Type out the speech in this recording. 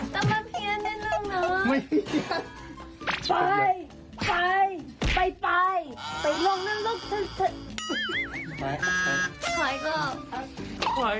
ใครก็